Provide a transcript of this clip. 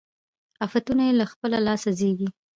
آفتونه یې له خپله لاسه زېږي